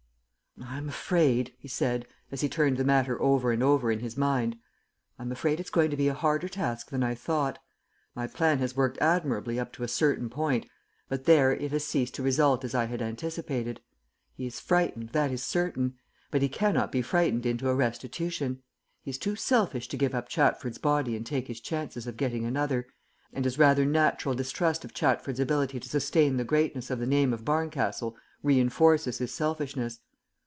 "I am afraid," he said, as he turned the matter over and over in his mind, "I am afraid it's going to be a harder task than I thought. My plan has worked admirably up to a certain point, but there it has ceased to result as I had anticipated. He is frightened, that is certain; but he cannot be frightened into a restitution. He is too selfish to give up Chatford's body and take his chances of getting another, and his rather natural distrust of Chatford's ability to sustain the greatness of the name of Barncastle re enforces his selfishness.